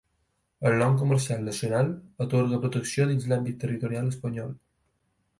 El nom comercial nacional atorga protecció dins l'àmbit territorial espanyol.